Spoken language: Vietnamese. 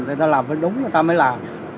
thì người ta làm mới đúng người ta mới làm